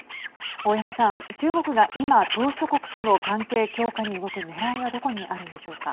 大山さん、中国が今島しょ国との関係強化に動くねらいはどこにあるんでしょうか。